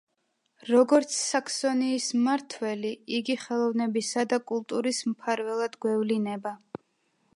როგორც საქსონიის მმართველი, იგი ხელოვნებისა და კულტურის მფარველად გვევლინება.